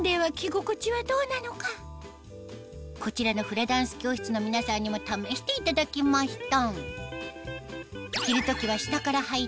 ではこちらのフラダンス教室の皆さんにも試していただきました